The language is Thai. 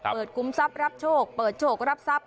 คุ้มทรัพย์รับโชคเปิดโชครับทรัพย